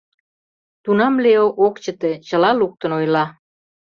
Тунам Лео ок чыте, чыла луктын ойла.